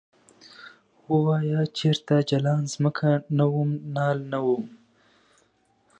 ووایه چرته جلان ځمکه نه وم نال نه وم ؟